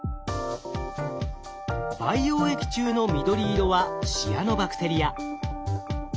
培養液中の緑色はシアノバクテリア。